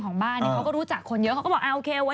เขาก็รู้จักคนเยอะ